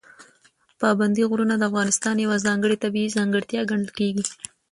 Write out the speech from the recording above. پابندي غرونه د افغانستان یوه ځانګړې طبیعي ځانګړتیا ګڼل کېږي.